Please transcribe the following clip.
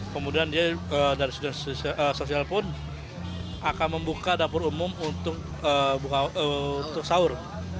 kemudian dia dari sosial pun akan membuka dapur umum untuk sahur